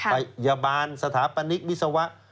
พยาบาลสถาปนิกวิศวะ